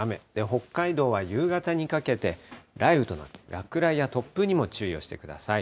北海道は夕方にかけて雷雨となって、落雷や突風にも注意をしてください。